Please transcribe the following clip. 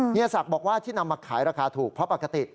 ศักดิ์บอกว่าที่นำมาขายราคาถูกเพราะปกติ